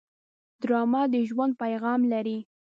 ډرامه د ژوند پیغام لري